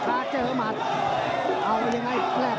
ตามต่อยกที่สองครับ